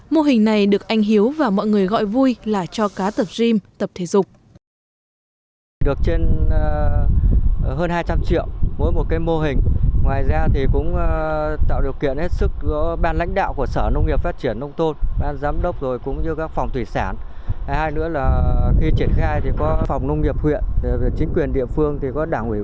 mô hình này được anh hiếu và mọi người gọi vui là cho cá tập gym tập thể dục